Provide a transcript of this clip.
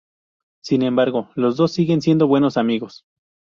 Sin embargo, los dos siguen siendo buenos amigos.